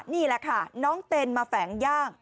นี่แหละค่ะน้องเต้นมาแฝงย่าง